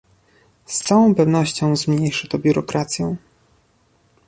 Z całą pewnością zmniejszy to biurokrację